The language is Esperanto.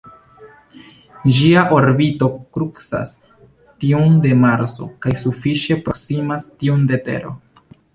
Ĝia orbito krucas tiun de Marso kaj sufiĉe proksimas tiun de Tero.